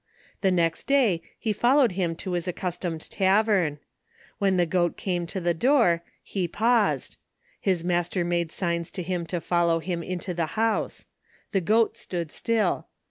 The next day he followed him to bis accus tomed tavern. When the goat came to the door, he paus ed : his master made signs to him to follow him into the house. The goat stood still.